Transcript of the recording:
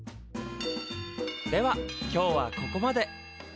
では今日はここまで。